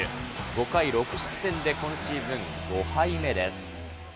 ５回６失点で今シーズン５敗目です。